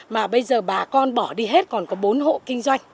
mà bây giờ bà con bỏ đi hết còn có bốn hộ kinh doanh